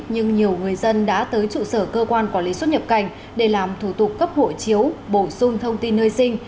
nhưng nhiều người dân đã tới trụ sở cơ quan quản lý xuất nhập cảnh để làm thủ tục cấp hộ chiếu bổ sung thông tin nơi sinh